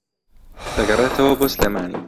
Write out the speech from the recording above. دەگەڕێتەوە بۆ سلێمانی